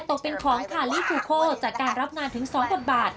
ตกเป็นของคาลี่คูโคจากการรับงานถึง๒บทบาท